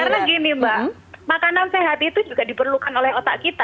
karena gini mbak makanan sehat itu juga diperlukan oleh otak kita ya